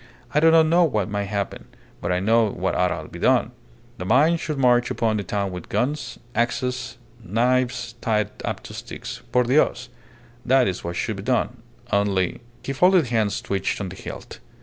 I do not know what may happen. But I know what ought to be done the mine should march upon the town with guns, axes, knives tied up to sticks por Dios. That is what should be done. Only " His folded hands twitched on the hilt.